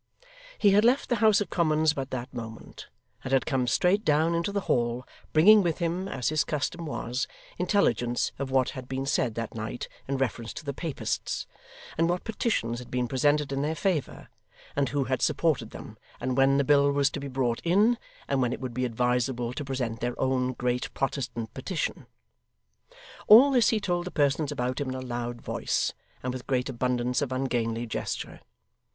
He had left the House of Commons but that moment, and had come straight down into the Hall, bringing with him, as his custom was, intelligence of what had been said that night in reference to the Papists, and what petitions had been presented in their favour, and who had supported them, and when the bill was to be brought in, and when it would be advisable to present their own Great Protestant petition. All this he told the persons about him in a loud voice, and with great abundance of ungainly gesture.